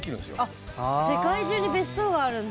あっ世界中に別荘があるんだ。